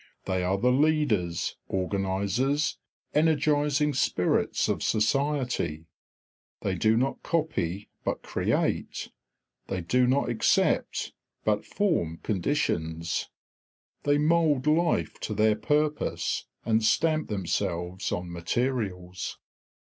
They are the leaders, organisers, energising spirits of society; they do not copy, but create; they do not accept, but form conditions; they mould life to their purpose, and stamp themselves on materials.